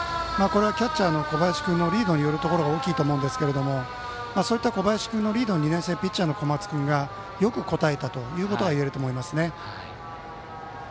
キャッチャーの小林君のリードによるところが大きいと思うんですがそういった小林君のリードに２年生ピッチャーの小松君が応えたことが言えると思いますね。